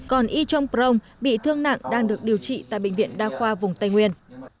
còn y trông prong bị thương nặng đang được điều trị tại bệnh viện đa khoa vùng tây nguyên